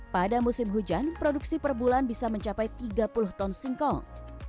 pada musim hujan produksi per bulan bisa mencapai tiga puluh ton singkong